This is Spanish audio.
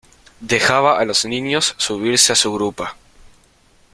Dejaba a los niños subirse a su grupa.